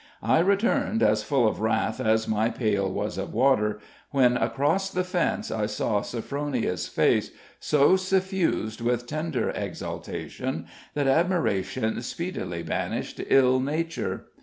I returned as full of wrath as my pail was of water, when, across the fence, I saw Sophronia's face, so suffused with tender exaltation, that admiration speedily banished ill nature.